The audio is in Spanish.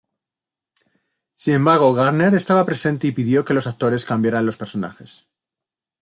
Sin embargo, Gardner estaba presente y pidió que los actores cambiaran los personajes.